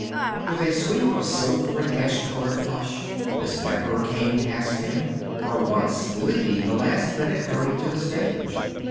With a sweep of silver and ash colored plush, Miss Nefer came past him, for once leading the last minute hurry to the stage.